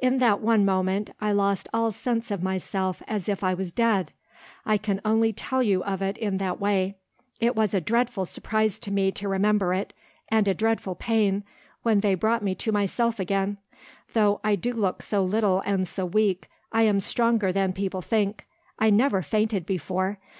In that one moment, I lost all sense of myself as if I was dead. I can only tell you of it in that way. It was a dreadful surprise to me to remember it and a dreadful pain when they brought me to myself again. Though I do look so little and so weak, I am stronger than people think; I never fainted before.